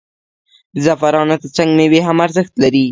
د زعفرانو ترڅنګ میوې هم ارزښت لري.